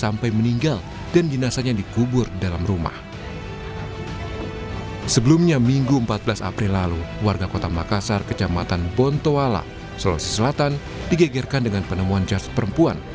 menduga pembunuhan dilakukan oleh lebih dari satu pelaku dengan motif perampokan